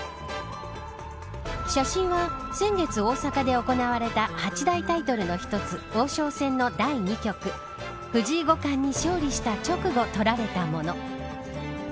写真は先月大阪で行われた八大タイトルの一つ王将戦の第２局藤井五冠に勝利した直後に撮られたもの。